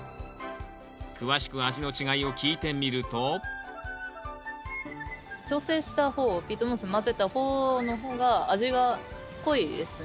詳しく味の違いを聞いてみると調整した方ピートモス混ぜた方の方が味が濃いですね。